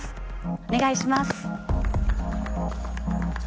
お願いします。